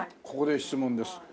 ここで質問です。